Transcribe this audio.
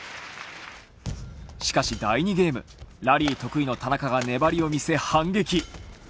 しかし、第２ゲームラリー得意の田中が粘りを見せ反撃。